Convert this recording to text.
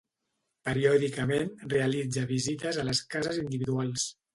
Periòdicament realitza visites a les cases individuals.